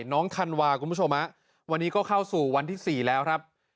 ธันวาคุณผู้ชมวันนี้ก็เข้าสู่วันที่๔แล้วครับ